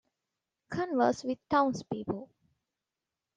Converse with townspeople.